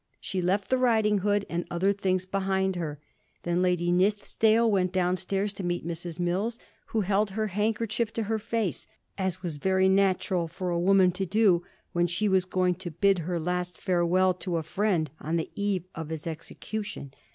She left the riding hood and other things behind her. Then Lady Nithisdale went downstairs to meet Mrs. Mills, who held her handker chief to her fisice, * as was very natural for a woman to do when she was going to bid her last farewell to a Mend on the eve of his execution.